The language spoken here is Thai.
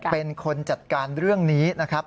เป็นคนจัดการเรื่องนี้นะครับ